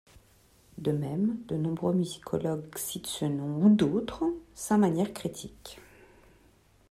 De même, de nombreux musicologues citent ce nom ou d'autres, sans manière critique.